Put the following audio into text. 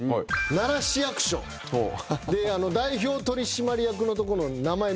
奈良市役所で代表取締役のとこの名前見てください。